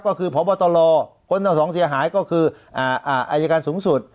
ก็คือพบตลคนทั้งสองเสียหายก็คืออายการสูงสุด